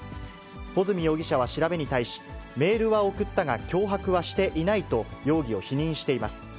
保住容疑者は調べに対し、メールは送ったが脅迫はしていないと、容疑を否認しています。